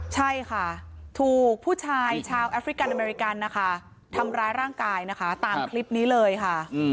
ใช่ค่ะถูกผู้ชายชาวแอฟริกาอเมริกันนะคะทำร้ายร่างกายนะคะตามคลิปนี้เลยค่ะ